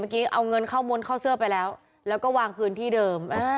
เมื่อกี้เอาเงินเข้ามนต์เข้าเสื้อไปแล้วแล้วก็วางคืนที่เดิมอ่า